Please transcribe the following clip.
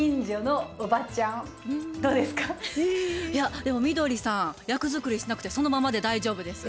でもみどりさん役作りしなくてそのままで大丈夫ですよ。